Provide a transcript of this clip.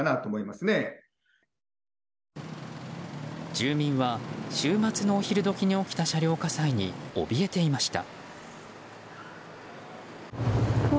住民は週末のお昼時に起きた車両火災に怯えていました。